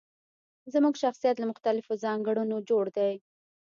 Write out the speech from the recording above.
زموږ شخصيت له مختلفو ځانګړنو جوړ دی.